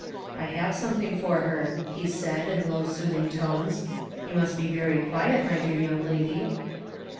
'* I have something for her," he said, in low, soothing tones. " You must be very quiet, my dear young lady.'